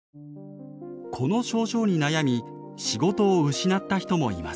この症状に悩み仕事を失った人もいます。